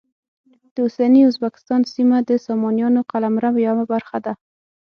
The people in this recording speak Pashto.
د اوسني ازبکستان سیمه د سامانیانو قلمرو یوه برخه وه.